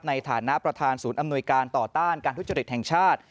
ในฐานะประธานศูนย์อำนวยการต่อต้านการทุจริตแห่งชาติ